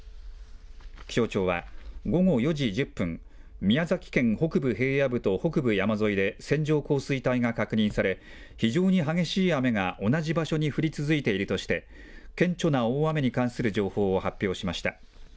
気象庁は、午後４時１０分、宮崎県北部平野部と、北部山沿いで線状降水帯が確認され、非常に激しい雨が同じ場所に降り続いているとして、顕著な大雨に関する情報を発表しました。